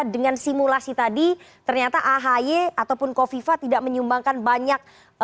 dengan simulasi tadi ternyata ahy ataupun kofifa tidak menyumbangkan banyak